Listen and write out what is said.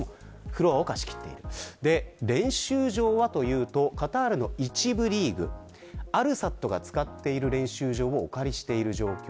練習場はというとカタールの１部リーグアルサッドが使っている練習場をお借りしている状況。